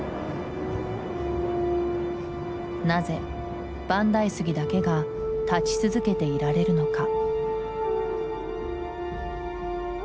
なぜ万代杉だけが立ち続けていられるのか？